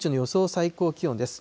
最高気温です。